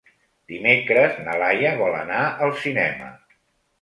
Dimecres na Laia vol anar al cinema.